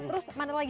terus mana lagi